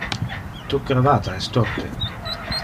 Tu cravata es torte.